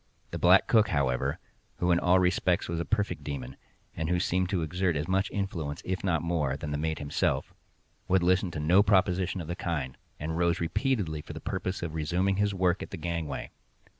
The black cook, however (who in all respects was a perfect demon, and who seemed to exert as much influence, if not more, than the mate himself), would listen to no proposition of the kind, and rose repeatedly for the purpose of resuming his work at the gangway.